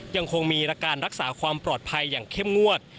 ยังคงมีการรักษาความปลอดภัยอย่างเข้มงวด